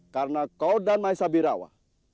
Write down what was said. karena kau dan maesha birawa